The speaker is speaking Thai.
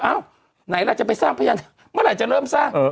ไหนล่ะจะไปสร้างพยานเมื่อไหร่จะเริ่มสร้าง